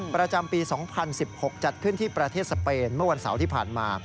ประจำปี๒๐๑๖จัดขึ้นที่ประเทศสเปนเมื่อวันเสาร์ที่ผ่านมา